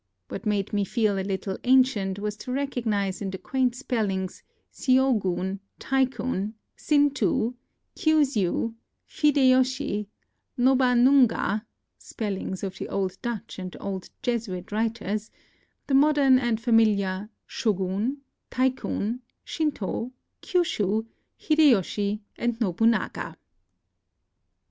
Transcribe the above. What made me feel a little ancient was to recognize in the quaint spellings Ziogoon, Tycoon, Sin too, Kiusiu, Fide yosi, Nobanunga, — spell ings of the old Dutch and old Jesuit writers, — the modern and familiar Shogun, Taikun, Shinto, Kyushu, Hideyoshi, and Nobunaga.